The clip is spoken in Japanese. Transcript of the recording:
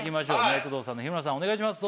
工藤さんの日村さんお願いします。